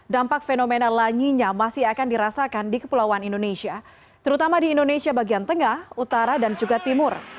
dampak fenomena lanya masih akan dirasakan di kepulauan indonesia terutama di indonesia bagian tengah utara dan juga timur